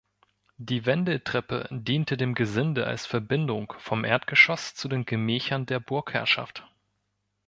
Die Wendeltreppe diente dem Gesinde als Verbindung vom Erdgeschoss zu den Gemächern der Burgherrschaft.